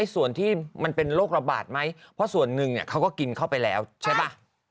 ส่วนที่มันเป็นโรคระบาดไหมเพราะส่วนหนึ่งเขาก็กินเข้าไปแล้วใช่ป่ะ